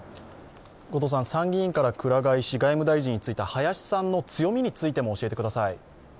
参議院からくら替えし、外務大臣についた林さんの強みについても教えてください。